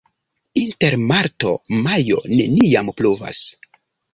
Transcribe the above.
Inter marto-majo neniam pluvas.